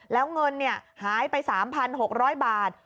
แล้วเงินหายไป๓๖๐๐บาท